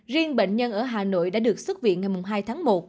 riêng bệnh nhân ở hà nội đã được xuất viện ngày hai tháng một